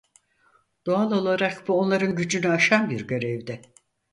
Doğal olarak bu onların gücünü aşan bir görevdi.